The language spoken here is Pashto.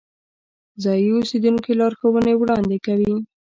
ځایی اوسیدونکي لارښوونې وړاندې کوي.